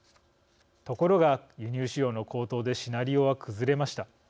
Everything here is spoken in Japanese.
ところが輸入飼料の高騰でシナリオは崩れました。